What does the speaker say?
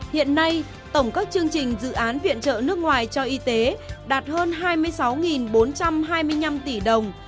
hiện nay tổng các chương trình dự án viện trợ nước ngoài cho y tế đạt hơn hai mươi sáu bốn trăm hai mươi năm tỷ đồng